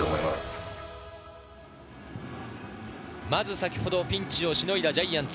先ほどピンチをしのいだジャイアンツ。